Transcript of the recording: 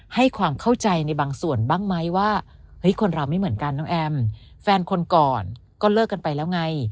ให้ความเข้าใจในบางส่วนบ้างไหมว่าเฮ้ยคนเราไม่เหมือนกันน้องแอมแฟนคนก่อนก็เลิกกันไปแล้วไง